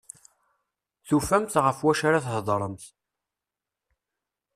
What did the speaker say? Tufamt ɣef wacu ara thedremt.